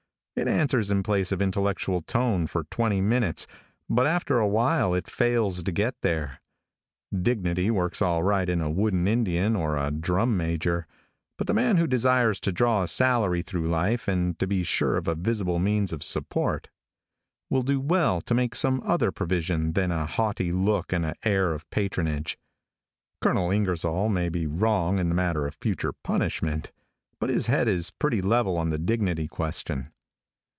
It answers in place of intellectual tone for twenty minutes, but after awhile it fails to get there. Dignity works all right in a wooden Indian or a drum major, but the man who desires to draw a salary through life and to be sure of a visible means of support, will do well to make some other provision than a haughty look and the air of patronage. Colonel Ingersoll may be wrong in the matter of future punishment, but his head is pretty level on the dignity question.